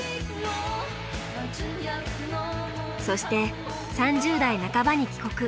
そして３０代半ばに帰国。